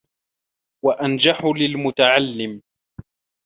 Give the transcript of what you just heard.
وَأَنْجَحُ لِلْمُتَعَلِّمِ